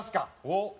おっ！